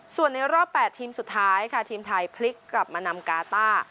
ส่วนในรอบ๘ทีมสุดท้ายค่ะทีมไทยพลิกกลับมานำกาต้า